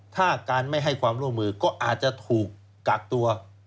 ถ้าการไม่ให้ความร่วมมือก็อาจจะถูกกักตัว